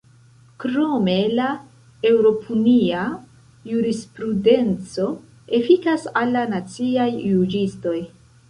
Krome, la eŭropunia jurisprudenco efikas al la naciaj juĝistoj.